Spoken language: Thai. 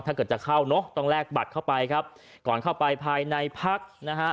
ถ้าเกิดจะเข้าเนอะต้องแลกบัตรเข้าไปครับก่อนเข้าไปภายในพักนะฮะ